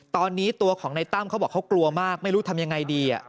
ตอนนี้ตัวของในตั้มเขาบอกเขากลัวมากไม่รู้ทำยังไงดี